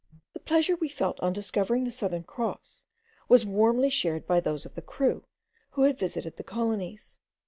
The pleasure we felt on discovering the Southern Cross was warmly shared by those of the crew who had visited the colonies.